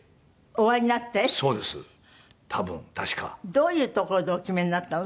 どういうところでお決めになったの？